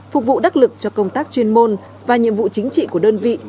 phục vụ đắc lực cho công tác chuyên môn và nhiệm vụ chính trị của đơn vị